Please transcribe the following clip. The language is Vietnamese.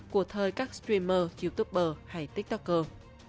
của thời các streamer youtuber hay tiktoker